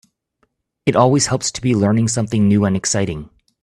It always helps to be learning something new and exciting.